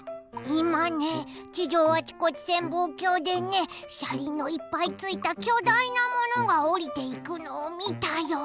いまね地上あちこち潜望鏡でねしゃりんのいっぱいついたきょだいなものがおりていくのをみたよ。